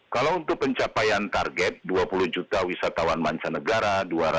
kalau untuk pencapaian target dua puluh juta wisatawan mancanegara